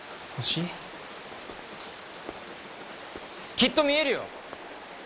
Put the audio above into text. きっと見えるよ！